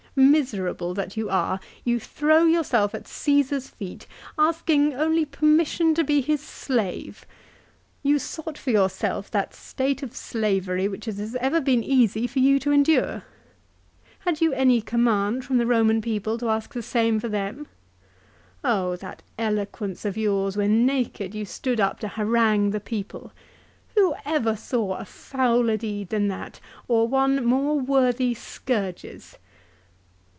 "Miserable that you are, you throw yourself at Caesar's feet asking only permission to be his slave. You sought for your self that state of slavery which it has ever been easy for you to endure. Had you any command from the Roman people to ask the same for them ? Oh, that eloquence of yours, when naked you stood up to harangue the people ! Who ever saw a fouler deed than that, or one more worthy scourges!"